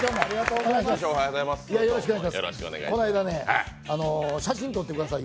この間、写真撮ってください